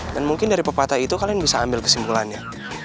dan mungkin dari pepatah itu kalian bisa ambil kesimpulannya